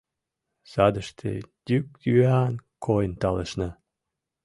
Садыште йӱк-йӱан койын талышна.